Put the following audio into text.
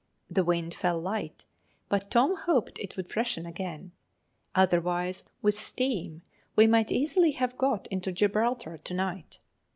The wind fell light, but Tom hoped it would freshen again; otherwise, with steam we might easily have got into Gibraltar to night.